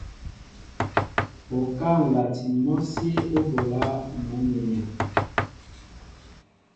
Okáá nlatin mɔsí o ɓola mal mwenya.